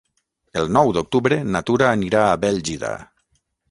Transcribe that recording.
El nou d'octubre na Tura anirà a Bèlgida.